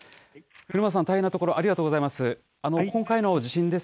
古村さん、大変なところ、ありがとうございます。